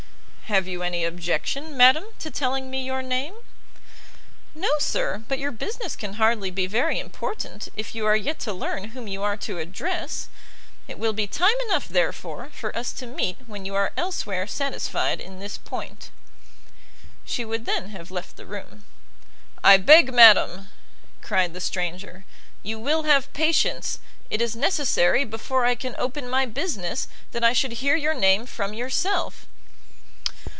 "Have you any objection, madam, to telling me your name?" "No, sir; but your business can hardly be very important, if you are yet to learn whom you are to address. It will be time enough, therefore, for us to meet when you are elsewhere satisfied in this point." She would then have left the room. "I beg, madam," cried the stranger, "you will have patience; it is necessary, before I can open my business, that I should hear your name from yourself."